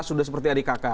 sudah seperti adik kakak